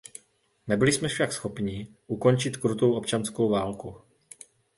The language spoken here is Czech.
Nebyli jsme však schopni ukončit krutou občanskou válku.